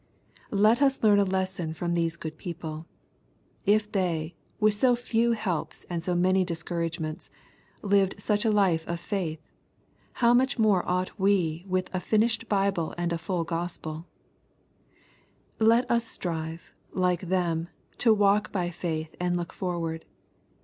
Let us learn a lesson from these good people. If they, with so few helps and so many discouragements, lived such a life of faith, how much more ought we with a finished Bible and a full GospeL Let us strive, like them, to walk by faith and look forward.